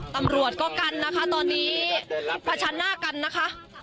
ตำรวจก็กันนะคะตอนนี้ประชันหน้ากันนะคะ